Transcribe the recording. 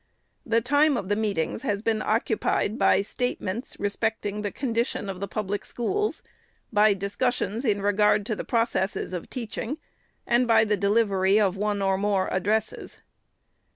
The time of the meetings has been occu pied by statements, respecting the condition of the public schools, by discussions in regard to the processes of teaching, and by the delivery of one or more addresses.